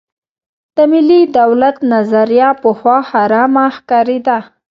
د ملي دولت نظریه پخوا حرامه ښکارېده.